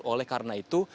oleh karena itu